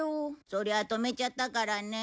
そりゃあ止めちゃったからね。